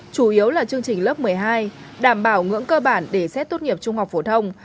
chủ yếu là chương trình lớp một mươi hai đảm bảo ngưỡng cơ bản để xét tốt nghiệp trung học phổ thông